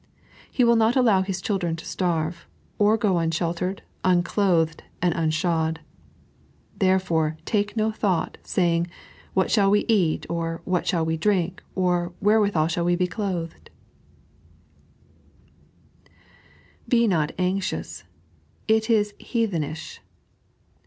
He will not allow His children to starve, or go unsheltered, unclothed, and unshod. "Therefore, take no thought, saying, What shaU we eat, or what shall we drink, or wherewithal shall we be clothed I " Be mot Ahxious : it U EetUkmisk.